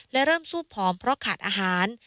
และเริ่มซูบผอมเพราะขาดอาหาร